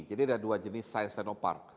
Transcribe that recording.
jadi ada dua jenis science technopark